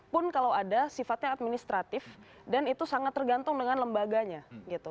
pun kalau ada sifatnya administratif dan itu sangat tergantung dengan lembaganya gitu